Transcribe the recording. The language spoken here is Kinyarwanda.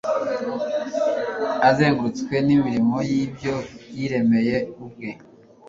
Azengurutswe n'imirimo y'ibyo yiremeye ubwe,